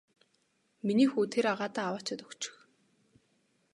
Миний хүү тэр агаадаа аваачаад өгчих.